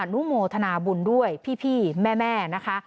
นุโมทนาบุญด้วยพี่แม่นะคะ